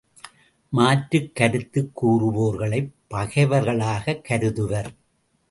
மாற்றுக் கருத்துக் கூறுவோர்களைப் பகைவர்களாகக் கருதுவர்.